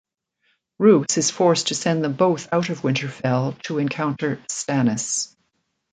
Roose is forced to send them both out of Winterfell to encounter Stannis.